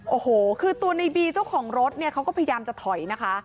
โอ้โหคือตัวในบีเจ้าของรถเนี่ยเขาก็พยายามจะถอยนะคะ